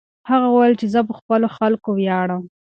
هغه وویل چې زه په خپلو خلکو ویاړم.